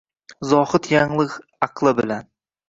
Zohid yanglig’ aqli bilan